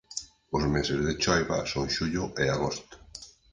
Os meses de choiva son xullo e agosto.